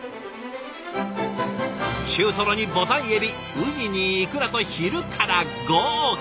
中トロにボタンエビウニにイクラと昼から豪華！